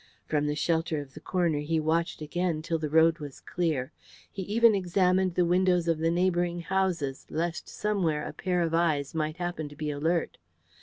From the shelter of a corner he watched again till the road was clear; he even examined the windows of the neighbouring houses lest somewhere a pair of eyes might happen to be alert.